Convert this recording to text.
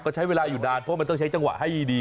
ก็ใช้เวลาอยู่นานเพราะมันต้องใช้จังหวะให้ดี